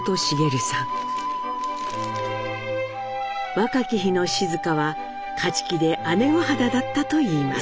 若き日の静香は勝ち気で姉御肌だったといいます。